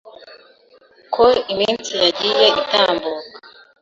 Uko iminsi yagiye itambuka,